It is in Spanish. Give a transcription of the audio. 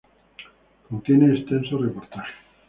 Contiene extenso reportaje.